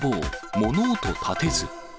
物音立てず。